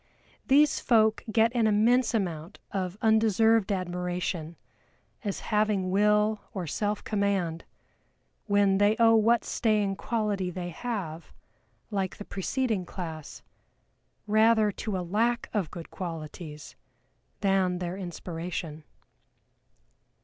These folk get an immense amount of undeserved admiration as having Will or self command, when they owe what staying quality they have (like the preceding class) rather to a lack of good qualities than their inspiration.